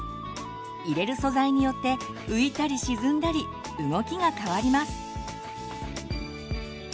入れる素材によって浮いたり沈んだり動きが変わります。